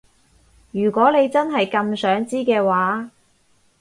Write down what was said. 如果你真係咁想知嘅話